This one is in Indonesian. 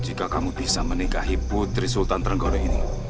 jika kamu bisa menikahi putri sultan trengoro ini